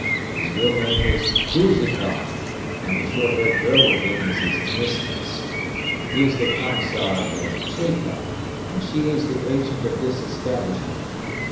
His real name is Pouzikoff and the short haired girl with him is his mistress. He is the commissar of the 'Cheka' and she is the agent of this establishment.